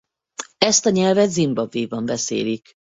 Ezt a nyelvet Zimbabwéban beszélik.